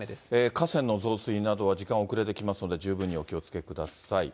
河川の増水などは時間遅れてきますので、十分にお気をつけください。